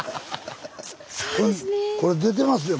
これ出てますよ